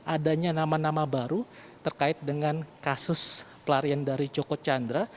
adanya nama nama baru terkait dengan kasus pelarian dari joko chandra